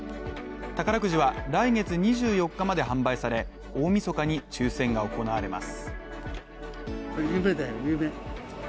宝くじは、来月２４日まで販売され、大晦日に抽選が行われます。